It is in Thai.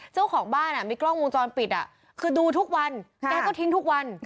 เจ้าของบ้านมีกล้องวงจรปิดคือดูทุกวันแกก็ทิ้งทุกวัน